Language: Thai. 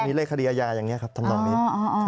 ก็มีเลขคดีอาญาทำลองนี้